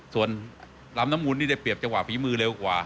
ส่วนลำน้ำมูลนี่ได้เปรียบจังหวะฝีมือเร็วกว่า